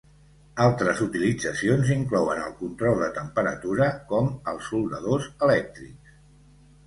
Altres utilitzacions inclouen el control de temperatura, com als soldadors elèctrics.